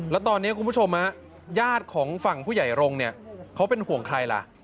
แล้วตอนนี้คุณผู้ชมญาติของฝั่งผู้ใหญ่รงค์เนี่ยเขาเป็นห่วงใครล่ะ